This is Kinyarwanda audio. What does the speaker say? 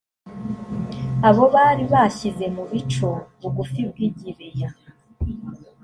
abo bari bashyize mu bico bugufi bw i gibeya